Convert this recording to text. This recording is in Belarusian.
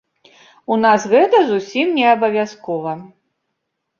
У нас гэта зусім неабавязкова.